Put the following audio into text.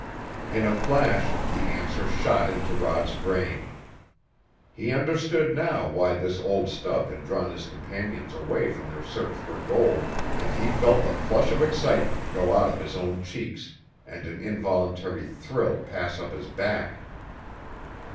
In a flash the answer shot into Rod's brain. He understood now why this old stub had drawn his companions away from their search for gold, and he felt the flush of excitement go out of his own cheeks, and an involuntary thrill pass up his back.